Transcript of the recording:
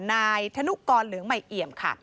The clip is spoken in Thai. นายธนุกรเหลืองใหม่เอี่ยมค่ะ